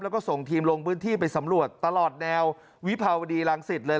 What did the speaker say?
แล้วก็ส่งทีมลงพื้นที่ไปสำรวจตลอดแนววิภาวดีรังสิตเลย